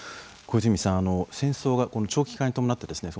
小泉さんあの戦争の長期化に伴ってですね